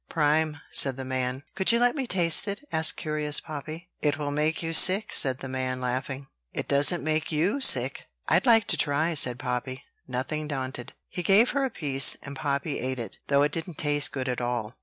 "Prime," said the man. "Could you let me taste it?" asked curious Poppy. "It will make you sick," said the man, laughing. "It doesn't make you sick. I'd like to try," said Poppy, nothing daunted. He gave her a piece; and Poppy ate it, though it didn't taste good at all.